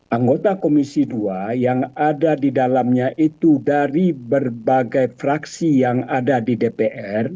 anggota komisi dua yang ada di dalamnya itu dari berbagai fraksi yang ada di dpr